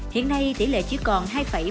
hiện nay tỷ lệ chỉ còn hai bốn mươi năm